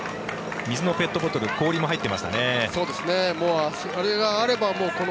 水のペットボトル氷も入っていましたね。